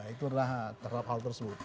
itu adalah terhadap hal tersebut